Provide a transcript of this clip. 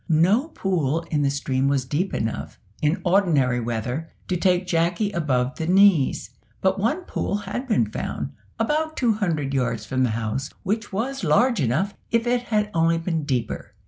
No pool in the stream was deep enough, in ordinary weather, to take Jacky above the knees; but one pool had been found, about two hundred yards from the house, which was large enough, if it had only been deeper.